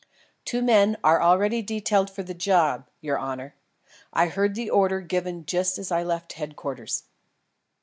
"Two men are already detailed for the job, your honour. I heard the order given just as I left Headquarters."